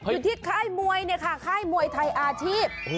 อยู่ที่ค่ายมวยเนี่ยค่ะค่ายมวยไทยอาชีพ